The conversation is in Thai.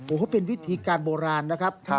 โอ้โหเป็นวิธีการโบราณนะครับ